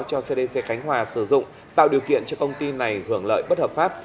cho cdc khánh hòa sử dụng tạo điều kiện cho công ty này hưởng lợi bất hợp pháp